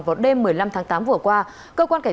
vào đêm một mươi năm tháng tám vừa qua